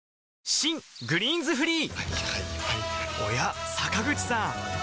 新「グリーンズフリー」